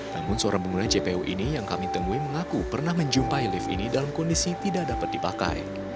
namun seorang pengguna jpo ini yang kami temui mengaku pernah menjumpai lift ini dalam kondisi tidak dapat dipakai